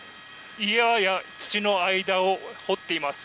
岩や土の間を掘っています。